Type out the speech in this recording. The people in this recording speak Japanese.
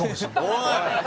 おい！